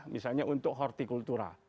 misalnya untuk hortikultura